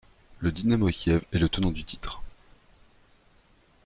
Le Dynamo Kiev est le tenant du titre.